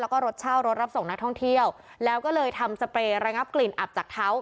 แล้วก็รถเช่ารถรับส่งนักท่องเที่ยวแล้วก็เลยทำสเปรย์ระงับกลิ่นอับจากเท้า